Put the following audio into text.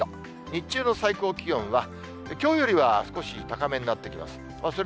日中の最高気温はきょうよりは少し高めになってきます。